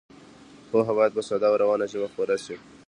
پوهه باید په ساده او روانه ژبه خپره شي.